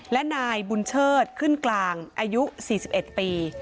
และนายบุญเชิดขึ้นกลางอายุ๔๑ปี